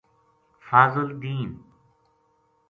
فاضل دین